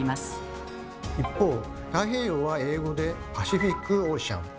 一方太平洋は英語で「パシフィック・オーシャン」。